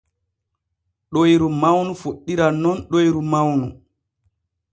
Ɗoyru mawnu fuɗɗiran nun ɗoyru mawnu.